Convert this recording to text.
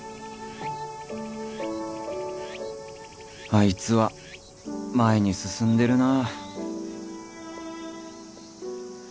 あいつは前に進んでるな